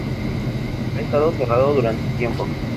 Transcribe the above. Ha estado cerrado durante tiempo.